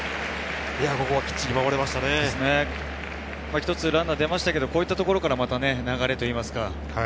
一つランナー出ましたけど、こういうところから流れというか。